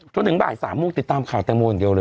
จน๑บาท๓โมงติดตามข่าวแตงโมงเดียวเลย